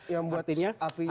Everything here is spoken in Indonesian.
yang buat apinya cepat